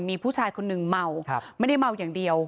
มีผู้ชายคนหนึ่งเมาไม่ได้เมาอย่างเดียว